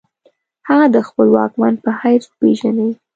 هغه د خپل واکمن په حیث وپیژني.